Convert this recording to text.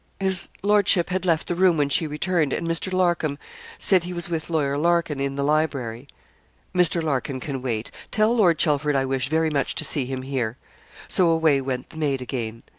'His lordship had left the room when she returned, and Mr. Larcom said he was with Lawyer Larkin in the library.' 'Mr. Larkin can wait. Tell Lord Chelford I wish very much to see him here.' So away went the maid again.